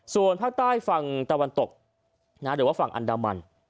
ส่วนภาคใต้ฝั่งตะวันตกหรือว่าฝั่งอันดามัน